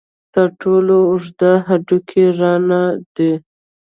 تر ټولو اوږد هډوکی ران دی.